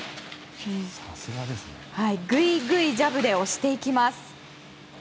ぐいぐいジャブで押していきます。